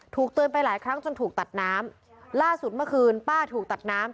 เตือนไปหลายครั้งจนถูกตัดน้ำล่าสุดเมื่อคืนป้าถูกตัดน้ำ